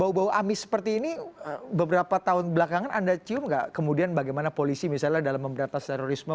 bau bau amis seperti ini beberapa tahun belakangan anda cium nggak kemudian bagaimana polisi misalnya dalam memberantas terorisme